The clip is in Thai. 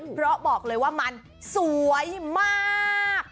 เพราะบอกเลยว่ามันสวยมาก